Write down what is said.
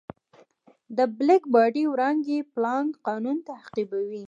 د بلیک باډي وړانګې پلانک قانون تعقیبوي.